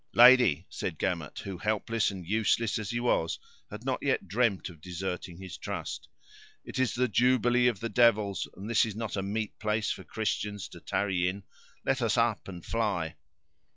"Lady," said Gamut, who, helpless and useless as he was, had not yet dreamed of deserting his trust, "it is the jubilee of the devils, and this is not a meet place for Christians to tarry in. Let us up and fly."